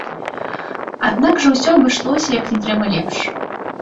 Аднак жа ўсё абышлося як не трэба лепш.